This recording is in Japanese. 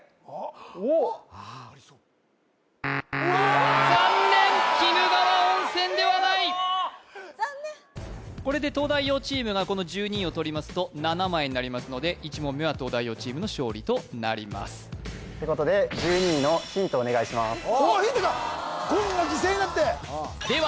ありそう残念鬼怒川温泉ではないこれで東大王チームがこの１２位をとりますと７枚になりますので１問目は東大王チームの勝利となりますてことで１２位のヒントをお願いします言が犠牲になってでは